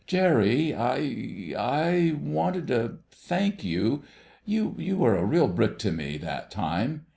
"Jerry, I—I wanted to thank you ... you were a real brick to me, that time.